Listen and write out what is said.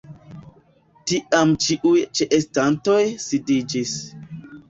Tiam ĉiuj ĉeestantoj sidiĝis.